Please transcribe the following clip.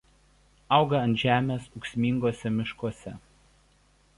Auga ant žemės ūksminguose miškuose.